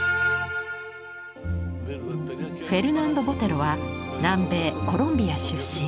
フェルナンド・ボテロは南米コロンビア出身。